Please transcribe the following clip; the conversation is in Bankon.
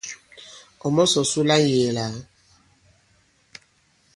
Ɔ̀ mɔ̀sɔ̀ su la ŋ̀yēē lā ?